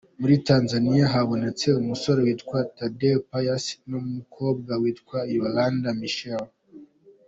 Muri Tanzaniya habonetse umusore witwa Tadei Pius n’umukobwa witwa Yolanda Michael.